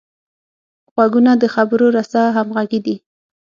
غوږونه د خبرو رسه همغږي دي